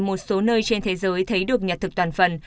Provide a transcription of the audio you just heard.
một số nơi trên thế giới thấy được nhặt thực toàn phần